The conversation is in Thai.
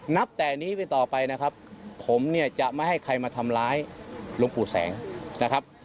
นับแต่นี้ไปต่อไปนะครับผมเนี่ยจะไม่ให้ใครมาทำร้ายหลวงปู่แสงนะครับ